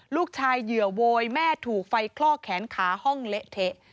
เหยื่อโวยแม่ถูกไฟคลอกแขนขาห้องเละเทะ